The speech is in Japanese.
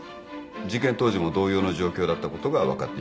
事件当時も同様の状況だったことが分かっています。